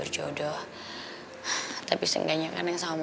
ya udah sini om